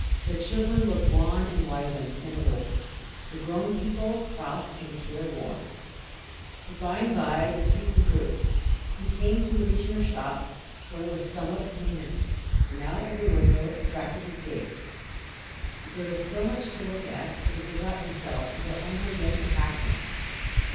The children looked wan and wizened and old, the grown people cross and care worn; but by and by the streets improved; he came to the region of shops, where it was somewhat cleaner, and now every window attracted his gaze. There was so much to look at that he forgot himself until hunger again attacked him.